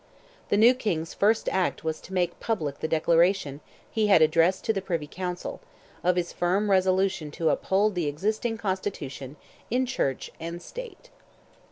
The new King's first act was to make public the declaration he had addressed to the Privy Council, of his firm resolution to uphold the existing constitution "in church and state."